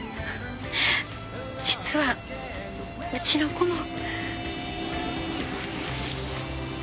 実はうちの子も。